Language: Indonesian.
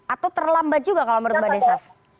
atau terlambat juga kalau menurut mbak desaf